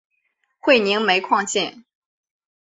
会宁煤矿线